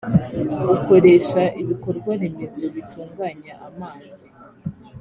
ukoresha ibikorwaremezo bitunganya amazi